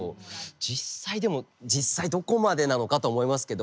実際でも実際どこまでなのかとは思いますけど。